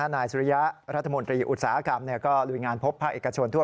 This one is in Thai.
นายสุริยะรัฐมนตรีอุตสาหกรรมก็ลุยงานพบภาคเอกชนทั่ว